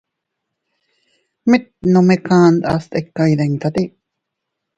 Mit nome kandas tika iyditate.